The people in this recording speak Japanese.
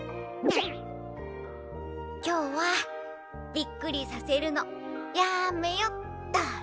きょうはびっくりさせるのやめよっと。